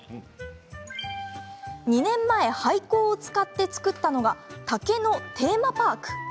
２年前、廃校を使って作ったのが竹のテーマパーク。